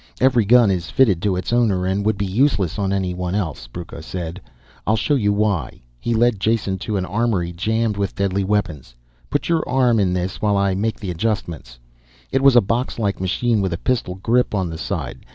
"Every gun is fitted to its owner and would be useless on anyone else," Brucco said. "I'll show you why." He led Jason to an armory jammed with deadly weapons. "Put your arm in this while I make the adjustments." It was a boxlike machine with a pistol grip on the side.